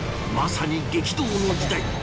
まさに激動の時代。